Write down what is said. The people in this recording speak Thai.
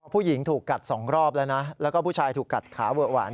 ผู้หญิงถูกกัด๒รอบแล้วนะแล้วก็ผู้ชายถูกกัดขาเวอะหวาน